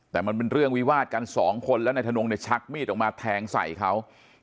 แต่มันเป็นเรื่องวิวาดกันสองคนแล้วนายทนงเนี่ยชักมีดออกมาแทงใส่เขา